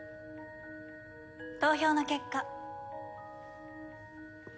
投票の結果。